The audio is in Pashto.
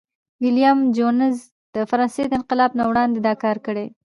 ویلیم جونز د فرانسې د انقلاب نه وړاندي دا کار کړی و.